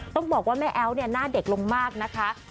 ต้องบอกว่าแม่แอ๊วเนี่ยหน้าเด็กลงมากนะคะ